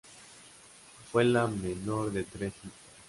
Fue la menor de tres hijos.